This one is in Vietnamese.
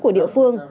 của địa phương